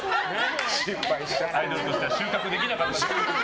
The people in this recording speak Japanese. アイドルとしては収穫できなかった。